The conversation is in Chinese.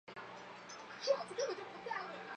家庭成员赚的钱